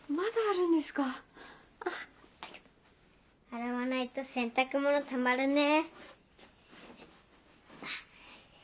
洗わないと洗濯物たまるね。